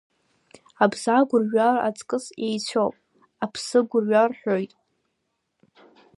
Абза гәырҩа аҵкыс еицәоуп аԥсы гәырҩа рҳәоит.